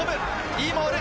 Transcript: いいモール！